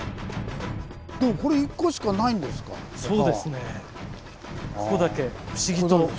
そうですね。